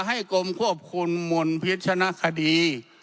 ให้กรมควบคุณมนต์พิจารณาคดี